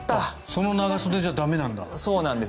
その長袖じゃ駄目なんだ。